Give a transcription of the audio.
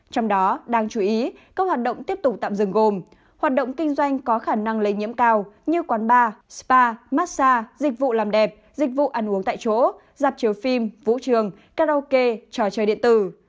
trong đó đáng chú ý các hoạt động tiếp tục tạm dừng gồm hoạt động kinh doanh có khả năng lây nhiễm cao như quán bar spa massage dịch vụ làm đẹp dịch vụ ăn uống tại chỗ dạp chiếu phim vũ trường karaoke trò chơi điện tử